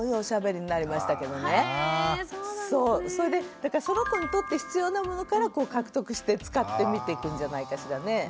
だからその子にとって必要なものから獲得して使ってみていくんじゃないかしらね。